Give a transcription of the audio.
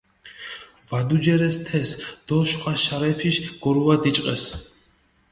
ვადუჯერეს თეს დო შხვა შარეფიში გორუა დიჭყეს.